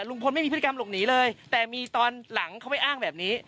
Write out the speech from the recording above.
ลุงพลไม่มีพฤติกรรมหลบหนีเลยแต่มีตอนหลังเขาไปอ้างแบบนี้